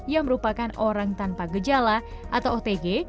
yang merupakan orang tanpa gejala atau otg